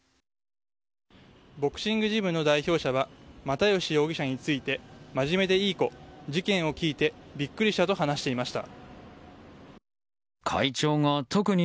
ボクシングジムの代表者は又吉容疑者について真面目でいい子事件を聞いてビックリしたと話していました。